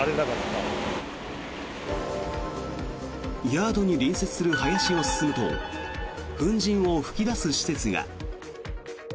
ヤードに隣接する林を進むと粉じんを噴き出す施設が。